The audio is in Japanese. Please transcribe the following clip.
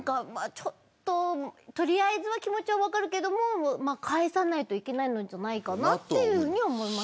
取りあえず気持ちは分かるけど返さないといけないんじゃないかというふうに思います。